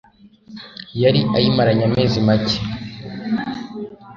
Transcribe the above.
Yari ayimaranye amezi make